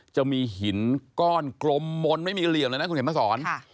จะมีหินก้อนกลมมนต์ไม่มีเหลี่ยมเลยนะคุณเห็นมาสอน